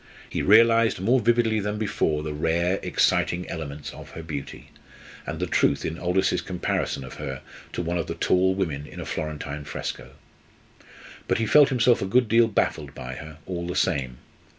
He realised more vividly than before the rare, exciting elements of her beauty, and the truth in Aldous's comparison of her to one of the tall women in a Florentine fresco. But he felt himself a good deal baffled by her, all the same.